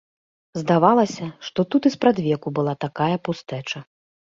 Здавалася, што тут і спрадвеку была такая пустэча.